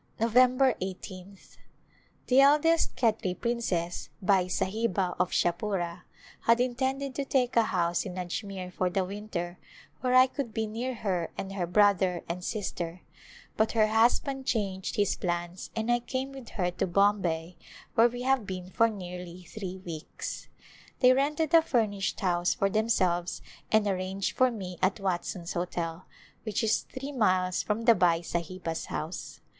A Glimpse of India November iSth. The eldest Khetri princess, Bai Sahiba of Shah pura, had intended to take a house in Ajmere for the winter where I could be near her and her brother and sister, but her husband changed his plans and I came with her to Bombay where we have been for nearly three weeks. They rented a furnished house for themselves and arranged for me at Watson's Hotel, which is three miles from the Bai Sahiba's house.